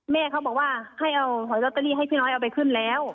แม่เขาบอกว่าให้เอาหอยลอตเตอรี่ให้พี่น้อยเอาไปขึ้นแล้ว